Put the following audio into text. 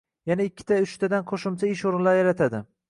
yana ikta uchtadan qo‘shimcha ish o‘rinlari yaratadi.